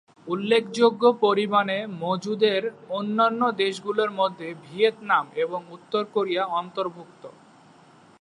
উল্লেখযোগ্য পরিমাণে মজুদের অন্যান্য দেশগুলির মধ্যে ভিয়েতনাম এবং উত্তর কোরিয়া অন্তর্ভুক্ত।